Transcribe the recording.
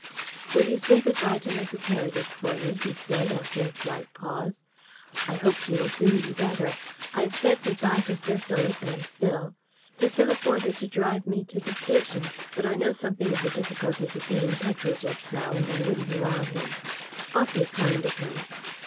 "Will you say good bye to Mrs. Heredith for me?" he said, after a slight pause. "I hope she will soon be better. I have said good bye to Sir Philip and Phil. Sir Philip wanted to drive me to the station, but I know something of the difficulties of getting petrol just now, and I wouldn't allow him. Awfully kind of him!